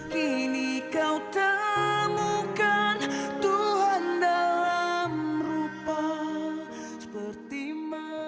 musik ia jadikan sebagai sarana mengkabanyakan seruan menolak anak anak tidak mampu